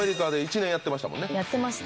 やってました。